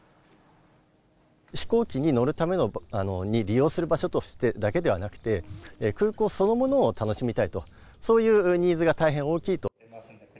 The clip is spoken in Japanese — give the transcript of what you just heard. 飛行機に乗るために利用する場所としてだけではなくて、空港そのものを楽しみたいと、そういうニーズが大変大きいと。